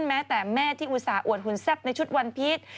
แม้แต่แม่ที่อุตส่าหอวดหุ่นแซ่บในชุดวันพีช